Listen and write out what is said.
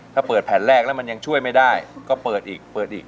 ถ้าเปิดแผ่นแรกแล้วมันยังช่วยไม่ได้ก็เปิดอีกเปิดอีก